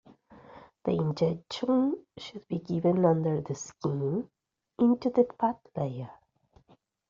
The injection should be given under the skin, into the fat layer.